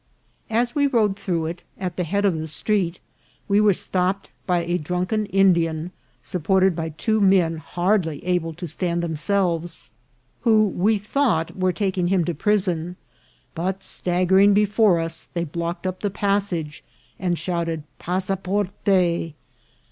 As we rode through it, at the head of the street we were stopped by a drunken Indian, supported by two men hardly able to stand themselves, who, we thought, were taking him to prison ; but, staggering before us, they blocked up the passage, and shouted " Passeporte